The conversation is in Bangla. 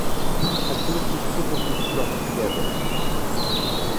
সবগুলো টেস্টেই প্রতিপক্ষ ছিল অস্ট্রেলিয়া দল।